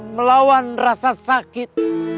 melawan rasa sakit